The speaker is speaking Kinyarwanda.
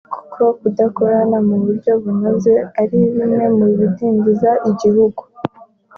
kuko kudakorana mu buryo bunoze ari bimwe mu bidindiza igihugu